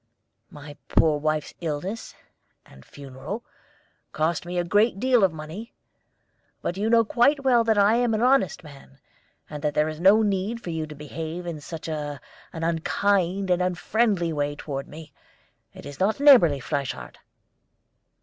My poor wife's illness and funeral cost me a great deal of money; but you know quite well that I am an honest man, and that there is no need for you to behave in such an unkind and unfriendly way toward me. It is not neighborly, Frieshardt."